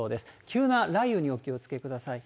急な雷雨にお気をつけください。